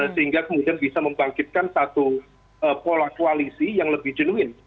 sehingga kemudian bisa membangkitkan satu pola koalisi yang lebih jenuin